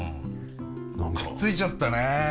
くっついちゃったねえ。